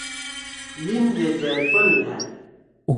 لین گے دیأل پن لھأد۔